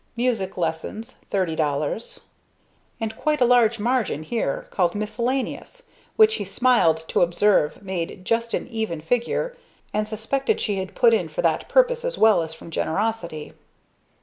Music lessons... $30.00 And quite a large margin left here, called miscellaneous, which he smiled to observe made just an even figure, and suspected she had put in for that purpose as well as from generosity.